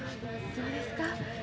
そうですか？